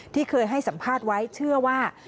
ที่เคยให้สัมภาษณ์ไว้เชื่อว่า